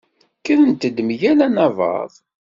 Kkrent-d mgal anabaḍ.